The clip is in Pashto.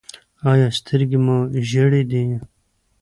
ایا سترګې مو ژیړې دي؟